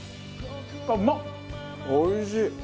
おいしい！